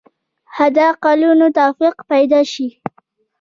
حد اقلونو توافق پیدا شي.